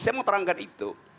saya mau terangkan itu